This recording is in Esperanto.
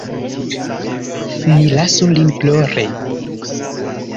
Ni lasu lin plori.